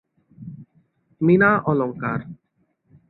মিনা অলঙ্কার